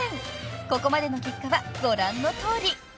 ［ここまでの結果はご覧のとおり］